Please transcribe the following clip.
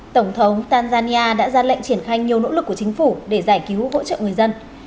tổng thống tanzania đã ra lệnh triển khai nhiều nỗ lực của chính phủ để giải cứu hỗ trợ người dân